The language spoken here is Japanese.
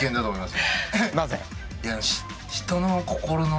なぜ？